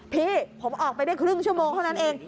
พี่ผมออกไปได้ครึ่งชั่วโมงเท่านั้นเอง